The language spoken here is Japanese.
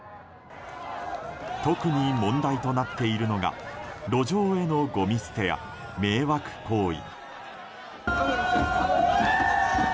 特に問題となっているのが路上へのごみ捨てや迷惑行為。